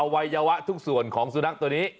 วัยวะทุกส่วนของสุนัขตัวนี้